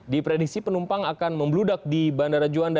di prediksi penumpang akan membludak di bandara juan